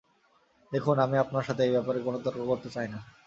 দেখুন, আমি আপনার সাথে এই ব্যাপারে কোনো তর্ক করতে চাই না।